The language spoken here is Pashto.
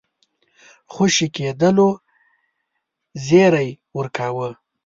خوشي کېدلو زېری ورکاوه.